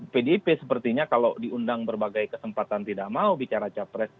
pdip sepertinya kalau diundang berbagai kesempatan tidak mau bicara capres